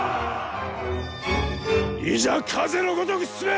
いざ風の如く進め！